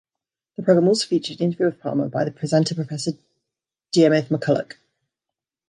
The program also featured an interview with Palmer by the presenter Professor Diarmaid MacCulloch.